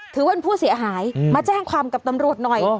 ถือว่าเป็นผู้เสียหายมาแจ้งความกับตำรวจหน่อย